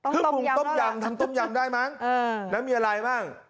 พึ่งต้มยำทำต้มยำได้มั้งแล้วมีอะไรบ้าง